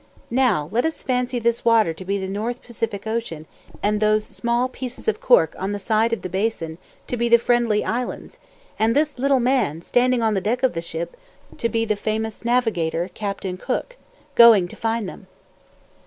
Now let us fancy this water to be the North Pacific Ocean, and those small pieces of cork on the side of the basin, to be the Friendly Islands, and this little man standing on the deck of the ship, to be the famous navigator, Captain Cook, going to find them."